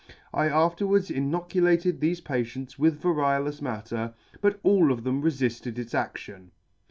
I afterwards inoculated thefe patients with variolous matter, but all of them refilled its adtion.